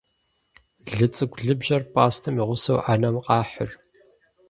Лыцӏыкӏу лыбжьэр пӏастэм и гъусэу ӏэнэм къахьыр.